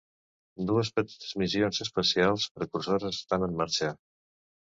Dues petites missions espacials precursores estan en marxa.